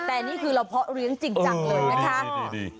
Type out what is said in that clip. แต่นี่คือเราเพาะเลี้ยงจริงจังเลยนะคะ